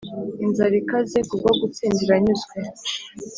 inzara ikaze kubwo gutsinda iranyuzwe,